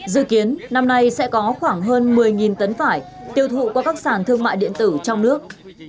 dự kiến năm nay sẽ có khoảng hơn một mươi tấn vải tiêu thụ qua các sản thương mại điện tử trong nước